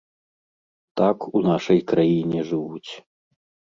Так у нашай краіне жывуць.